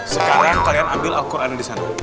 sekarang kalian ambil al quran di sana